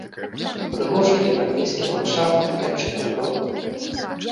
Прыгожы еўрапейскі ландшафт, рэчка, брод.